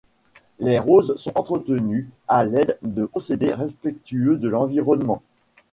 Les roses sont entretenues à l'aide de procédés respectueux de l'environnement.